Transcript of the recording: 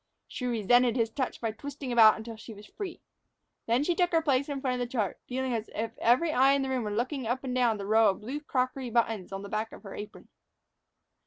She resented his touch by twisting about until she was free. Then she took her place in front of the chart, feeling as if every eye in the room were looking up and down the row of blue crockery buttons on the back of her apron.